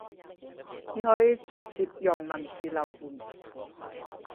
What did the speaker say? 你可以直接用文字留言